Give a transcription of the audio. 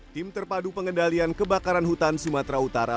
tim terpadu pengendalian kebakaran hutan sumatera utara